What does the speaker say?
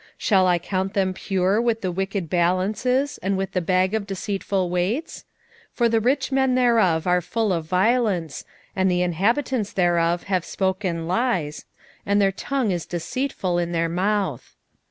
6:11 Shall I count them pure with the wicked balances, and with the bag of deceitful weights? 6:12 For the rich men thereof are full of violence, and the inhabitants thereof have spoken lies, and their tongue is deceitful in their mouth.